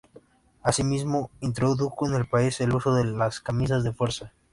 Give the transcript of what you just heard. Asimismo, introdujo en el país el uso de las camisas de fuerza.